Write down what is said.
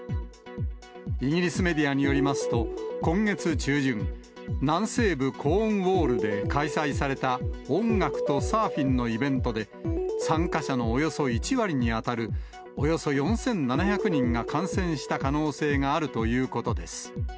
イギリスメディアによりますと、今月中旬、南西部コーンウォールで開催された音楽とサーフィンのイベントで、参加者のおよそ１割に当たる、およそ４７００人が感染した可能性があるということです。